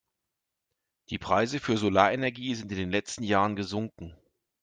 Die Preise für Solarenergie sind in den letzten Jahren gesunken.